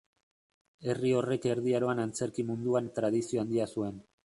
Herri horrek Erdi Aroan antzerki munduan tradizio handia zuen.